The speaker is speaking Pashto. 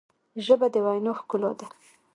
ژبه د وینا ښکلا ده.